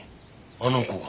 あの子が？